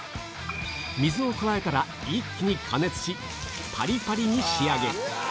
水を加えたら一気に加熱し、ぱりぱりに仕上げる。